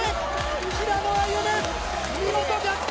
平野歩夢、見事逆転！